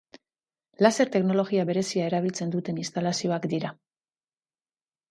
Laser teknologia berezia erabiltzen duten instalazioak dira.